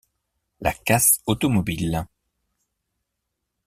La casse automobile.